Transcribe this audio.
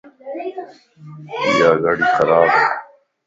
ايا گڙي خرابَ